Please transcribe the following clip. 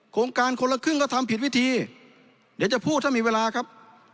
โครงการคนละครึ่งก็ทำผิดวิธีเดี๋ยวจะพูดถ้ามีเวลาครับ